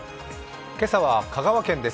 今朝は香川県です